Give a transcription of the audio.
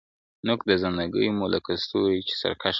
o نوك د زنده گۍ مو لكه ستوري چي سركښه سي.